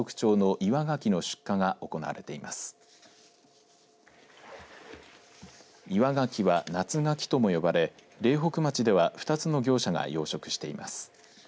岩がきは、夏がきとも呼ばれ苓北町では２つの業者が養殖しています。